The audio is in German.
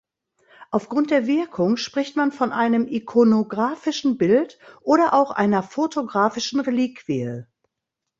Aufgrund der Wirkung spricht man von einem ikonographischen Bild oder auch einer fotografischen Reliquie.